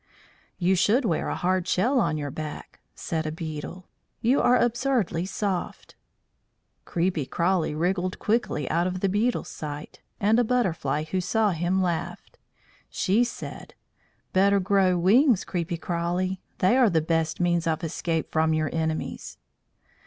"You should wear a hard shell on your back." said a Beetle. "You are absurdly soft." Creepy Crawly wriggled quickly out of the beetle's sight, and a Butterfly who saw him laughed. She said: "Better grow wings, Creepy Crawly. They are the best means of escape from your enemies."